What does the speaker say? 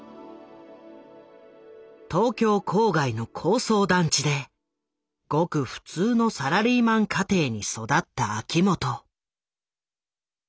東京郊外の高層団地でごく普通のサラリーマン家庭に育った秋元。